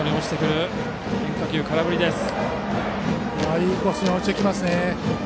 いいコースに落ちてきますね。